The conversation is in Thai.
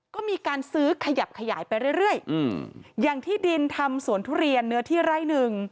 ก็มีการซื้อขยับขยายไปเรื่อยเรื่อยอืมอย่างที่ดินทำสวนทุเรียนเนื้อที่ไร่หนึ่ง